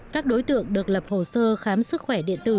các đối tượng được lập hồ sơ khám sức khỏe điện tử